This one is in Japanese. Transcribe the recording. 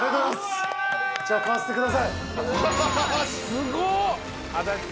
すごっ。